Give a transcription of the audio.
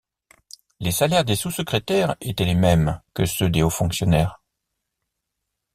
Les salaires des sous-secrétaires étaient les mêmes que ceux des hauts-fonctionnaires.